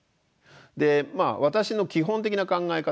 で私の基本的な考え方